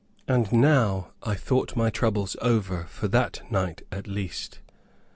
And now I thought my troubles over for that night at least.